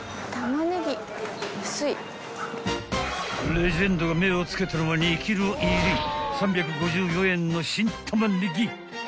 ［レジェンドが目を付けたのは２ｋｇ入り３５４円の新タマネギ］